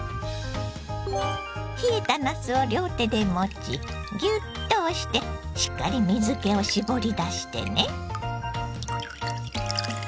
冷えたなすを両手で持ちギュッと押してしっかり水けを絞り出してね。